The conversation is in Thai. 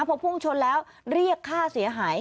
พอพุ่งชนแล้วเรียกค่าเสียหาย